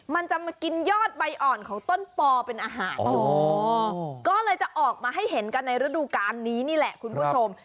มันจะมากินยอดใบอ่อนของต้นปอเป็นอาหารก็เลยจะออกมาให้เห็นกันในฤดูการนี้นี่แหละคุณผู้ชม